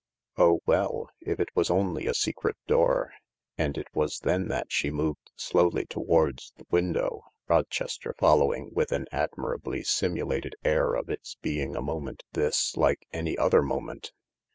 Oh, well — if it was only a secret door ... And it was then that she moved slowly towards the window, Rochester following with an admirably simulated air of it's being a moment, this, like any other moment.